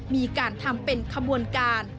มีการทำเป็นขบวนการ